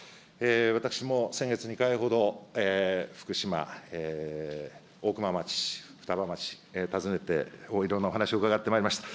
私も先月、２回ほど福島・大熊町、双葉町、訪ねて、いろいろなお話を伺ってまいりました。